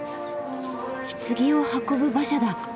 ひつぎを運ぶ馬車だ。